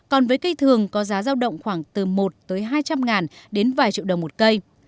còn với cây thường có giá giao động khoảng từ một tới hai trăm linh ngàn đến vài triệu đồng một cây